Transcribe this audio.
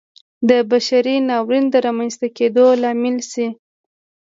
د بشري ناورین د رامنځته کېدو لامل شي.